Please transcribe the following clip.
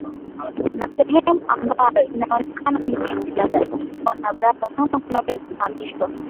a sehemu ambayo inaonekana ni nyeti labda ingekuwa na baraza kama kunaweza kuhamishwa